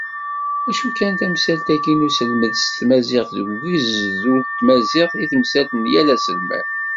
Acu kan tamsalt-agi n uselmed s tmaziɣt deg ugezdu n tmaziɣt, d tamsalt n yal aselmad.